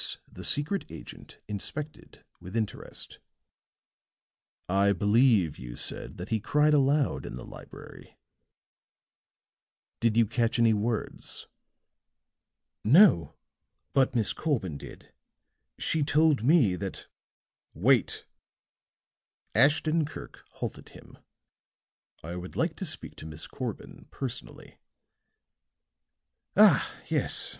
This the secret agent inspected with interest. "I believe you said that he cried aloud in the library did you catch any words?" "No. But Miss Corbin did. She told me that " "Wait!" Ashton Kirk halted him. "I would like to speak to Miss Corbin personally." "Ah, yes.